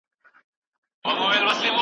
خاورو او لمر، خټو یې وړي دي اصلي رنګونه